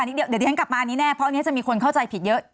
เดี๋ยวที่ฉันกลับมาอันนี้แน่เพราะอันนี้จะมีคนเข้าใจผิดเยอะ